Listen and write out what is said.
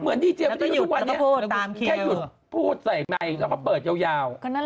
เหมือนดีเจียไม่ได้อยู่ช่วงวันเนี่ยแค่หยุดพูดใส่ไว้แล้วก็เปิดยาวตามเคลียร์